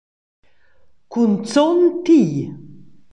Cunzun ti!